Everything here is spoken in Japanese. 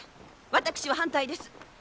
私は反対です。